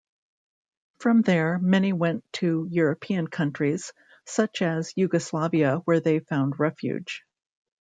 From there, many went to European countries, such as Yugoslavia, where they found refuge.